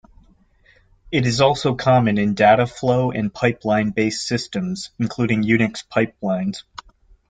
It is also common in dataflow and pipeline-based systems, including Unix pipelines.